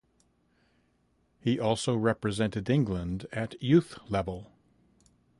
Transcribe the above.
He also represented England at Youth level.